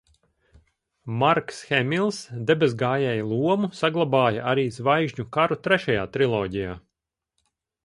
"Marks Hemils Debesgājēja lomu saglabāja arī "Zvaigžņu karu" trešajā triloģijā."